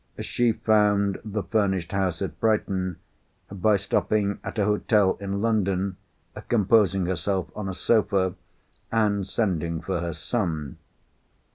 She found the furnished house at Brighton by stopping at an hotel in London, composing herself on a sofa, and sending for her son.